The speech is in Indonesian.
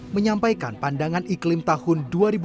menyampaikan pandangan iklim tahun dua ribu dua puluh